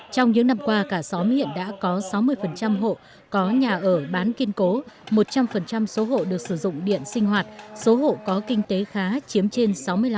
trong những năm qua cả xóm hiện đã có sáu mươi hộ có nhà ở bán kiên cố một trăm linh số hộ được sử dụng điện sinh hoạt số hộ có kinh tế khá chiếm trên sáu mươi năm